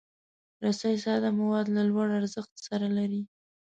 رسۍ ساده مواد له لوړ ارزښت سره لري.